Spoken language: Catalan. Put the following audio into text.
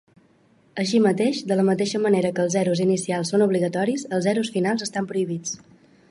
Així mateix, de la mateixa manera que els zeros inicials són obligatoris, els zeros finals estan prohibits.